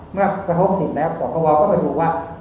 เมื่อกระทบสิทธิ์แล้วสรรควรก็ต้องรู้ว่า